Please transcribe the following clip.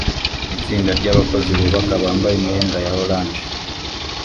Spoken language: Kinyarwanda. Itsinda ryabakozi bubaka bambaye imyenda ya orange